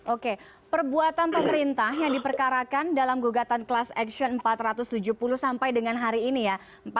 oke perbuatan pemerintah yang diperkarakan dalam gugatan class action empat ratus tujuh puluh sampai dengan hari ini ya